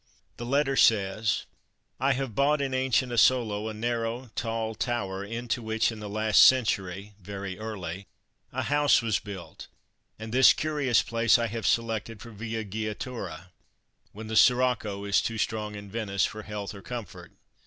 The letter says: "I have bought in ancient Asolo a narrow, tall tower, into which in the last century (very early) a house was built, and this curious place I have selected for villeggiatura when the scirocco is too strong in Venice for health or comfort.